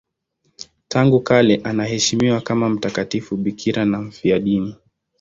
Tangu kale anaheshimiwa kama mtakatifu bikira na mfiadini.